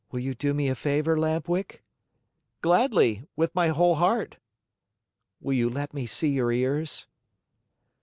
"Will you do me a favor, Lamp Wick?" "Gladly! With my whole heart." "Will you let me see your ears?"